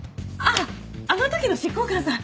あの時の執行官さん。